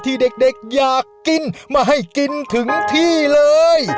ที่เด็กอยากกินมาให้กินถึงที่เลย